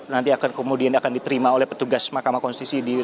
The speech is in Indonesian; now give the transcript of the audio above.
nanti akan kemudian akan diterima oleh petugas mahkamah konstitusi